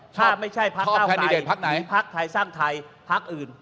ถ้าไม่ใช่พักเก้าไทยหรือพักไทยสร้างไทยหรือพักอื่น